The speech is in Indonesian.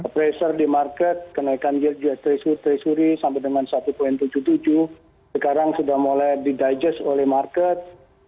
pressure di market kenaikan yield treasury sampai dengan satu tujuh puluh tujuh sekarang sudah mulai di digest oleh market